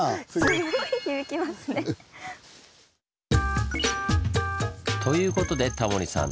すごい響きますね。ということでタモリさん